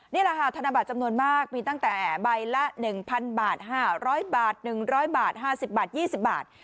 นี่แหละค่ะธนบัตรจำนวนมากมีตั้งแต่ใบละ๑๐๐บาท๕๐๐บาท๑๐๐บาท๕๐บาท๒๐บาท